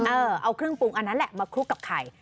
เอาเครื่องปรุงอันนั้นแหละมาคลุกกับไข่